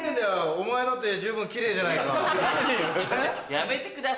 お前だって十分キレイじゃないか。